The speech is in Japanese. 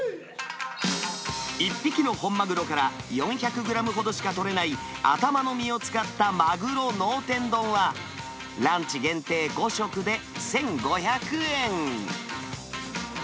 １匹のホンマグロから４００グラムほどしか取れない頭のみを使った鮪脳天丼は、ランチ限定５食で１５００円。